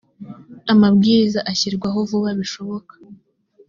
amabwiriza ashyirwaho vuba bishoboka